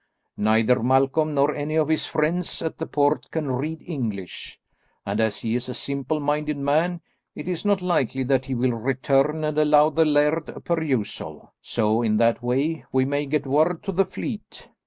Neither Malcolm nor any of his friends at the port can read English, and as he is a simple minded man it is not likely that he will return and allow the laird a perusal. So in that way we may get word to the fleet.